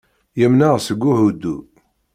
Yemneɛ seg uhuddu.